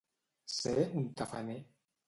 Ser un tafaner.